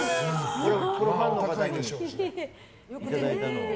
ファンの方にいただいたの。